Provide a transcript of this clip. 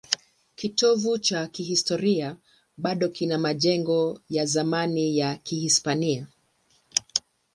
Kitovu cha kihistoria bado kina majengo ya zamani ya Kihispania.